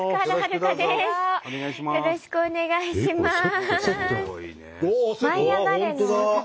よろしくお願いします。